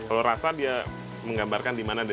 kalau rasa dia menggambarkan dimana